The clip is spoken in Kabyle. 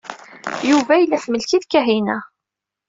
Yuba yella temlek-it Kahina.